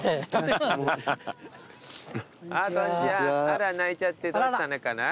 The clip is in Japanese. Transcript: あら泣いちゃってどうしたのかな？